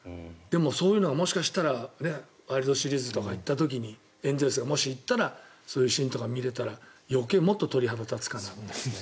でもそういうのがもしかしたらワールドシリーズとか行った時もし行ったらそういうシーンが見れたら余計、もっと鳥肌が立つかな。